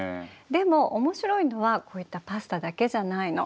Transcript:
でもおもしろいのはこういったパスタだけじゃないの。